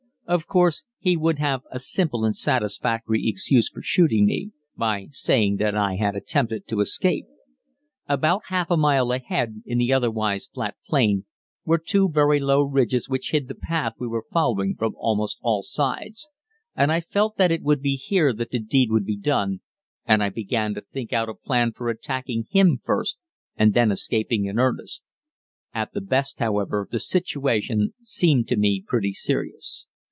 Of course he would have a simple and satisfactory excuse for shooting me, by saying that I had attempted to escape. About half a mile ahead, in the otherwise flat plain, were two very low ridges which hid the path we were following from almost all sides, and I felt that it would be here that the deed would be done, and I began to think out a plan for attacking him first and then escaping in earnest. At the best, however, the situation seemed to me pretty serious.